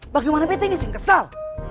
bagaimana bete ini sih ngesel